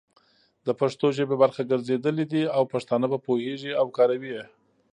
د پښتو ژبې برخه ګرځېدلي دي او پښتانه په پوهيږي او کاروي يې،